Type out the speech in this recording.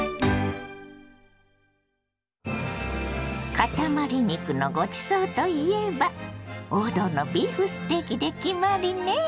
かたまり肉のごちそうといえば王道のビーフステーキで決まりね！